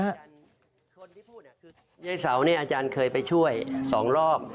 ย่าเสาร์อาจารย์เคยไปช่วย๒รอบ